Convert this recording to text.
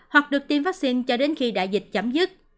hoặc được tiêm vaccine cho đến khi đại dịch chấm dứt